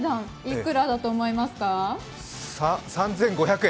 いくらだと思いますか？